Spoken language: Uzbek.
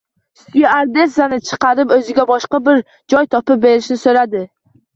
Styuardessani chaqirib, oʻziga boshqa bir joy topib berishni soʻradi.